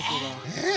えっ！